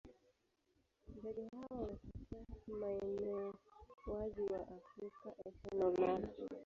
Ndege hawa wanatokea maeneo wazi wa Afrika, Asia na Ulaya.